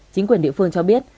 chính quyền địa phương cho biết